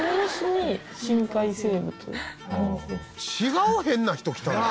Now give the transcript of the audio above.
違う変な人来たな。